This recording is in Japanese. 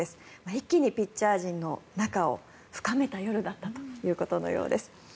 一気にピッチャー陣の仲を深めた夜だったということのようです。